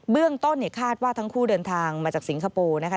เรื่องต้นคาดว่าทั้งคู่เดินทางมาจากสิงคโปร์นะคะ